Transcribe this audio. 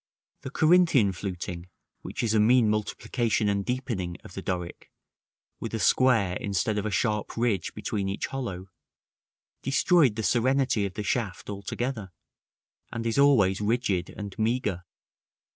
The Corinthian fluting, which is a mean multiplication and deepening of the Doric, with a square instead of a sharp ridge between each hollow, destroyed the serenity of the shaft altogether, and is always rigid and meagre.